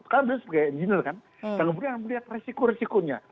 karena dia sebagai engineer kan jangan lupa melihat risiko risikonya